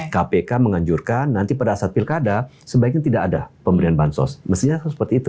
kpk menganjurkan nanti pada saat pilkada sebaiknya tidak ada pemberian bansos mestinya seperti itu